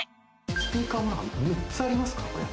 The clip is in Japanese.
スピーカー、３つありますか？